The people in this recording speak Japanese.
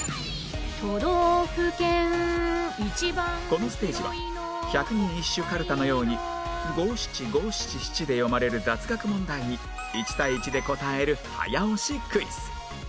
このステージは百人一首かるたのように五七五七七で読まれる雑学問題に１対１で答える早押しクイズ